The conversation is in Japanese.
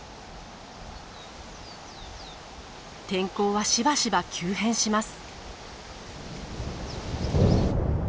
天候はしばしば急変します。